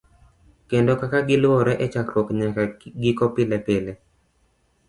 kendo kaka giluwore e chakruok nyaka giko pilepile.